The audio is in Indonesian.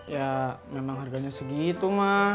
ya memang harganya segitu mah